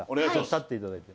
立っていただいて。